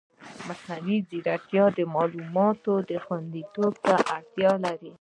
مصنوعي ځیرکتیا د معلوماتو خوندیتوب ته اړتیا لري.